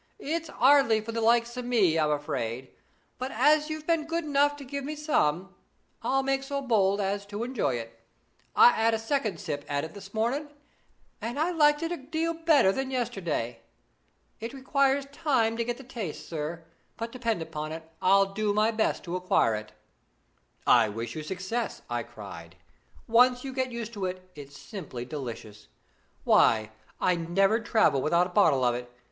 'It's 'ardly for the likes o' me, I'm afraid; but as you've been good enough to give me some, I'll make so bold as to enjoy it. I 'ad a second sip at it this morning, and I liked it a deal better than yesterday. It requires time to get the taste, sir; but, depend upon it, I'll do my best to acquire it.' 'I wish you success!' I cried. 'Once you get used to it, it's simply delicious. Why, I'd never travel without a bottle of it.